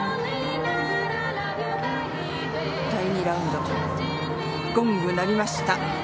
第２ラウンドゴング鳴りました。